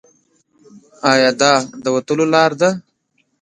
ایا دا د وتلو لار ده؟